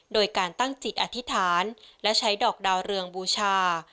โดยการตั้งจิตอธิษฐานและใช้ดอกดาวเรืองบูชา